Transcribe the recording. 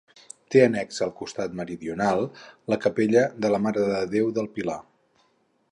Té annexa al costat meridional la capella de la Mare de Déu del Pilar.